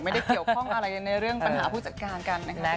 ไม่ได้เกี่ยวข้องอะไรในเรื่องปัญหาผู้จัดการกันนะคะ